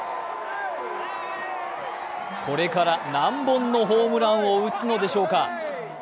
これから何本のホームランを打つのでしょうか。